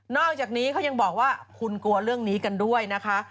อกจากนี้เขายังบอกว่าคุณกลัวเรื่องนี้กันด้วยนะคะ